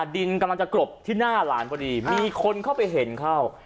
ดินกำลังจะกรบที่หน้าหลานพอดีมีคนเข้าไปเห็นเข้า